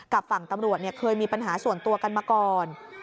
กับฝั่งตำรวจเคยมีปัญหาส่วนตัวกันมาก่อน